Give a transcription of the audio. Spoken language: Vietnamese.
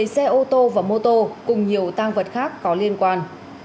một mươi xe ô tô và mô tô cùng nhiều tăng vật khác có liên quan